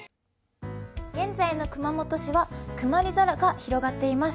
現在の熊本市は曇り空が広がっています。